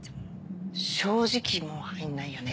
正直もう入んないよね。